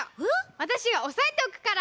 わたしがおさえておくから！